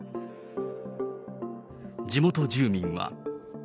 地元住民は。